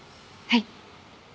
はい。